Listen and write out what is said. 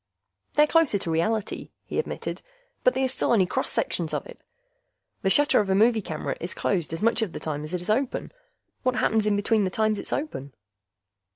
"They're closer to reality," he admitted. "But they are still only cross sections of it. The shutter of a movie camera is closed as much of the time as it is open. What happens in between the times it's open?